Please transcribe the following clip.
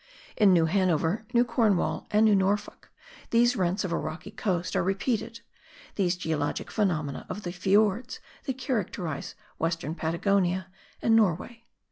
In New Hanover, New Cornwall and New Norfolk these rents of a rocky coast are repeated, these geologic phenomena of the fjords that characterize western Patagonia and Norway.